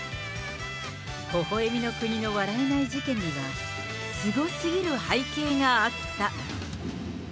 微笑みの国の笑えない事件には、すごすぎる背景があった。